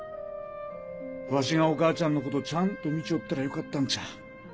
わしがお母ちゃんのことちゃんと見ちょったらよかったんちゃ。